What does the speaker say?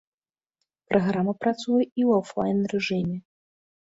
Праграма працуе і ў афлайн-рэжыме.